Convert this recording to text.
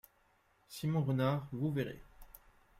Simon Renard Vous verrez.